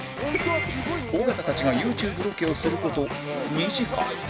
尾形たちがユーチューブロケをする事２時間